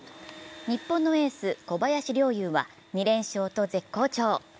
日本のエース・小林陵侑は２連勝と絶好調。